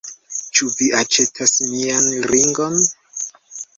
Ĉu vi aĉetas mian ringon?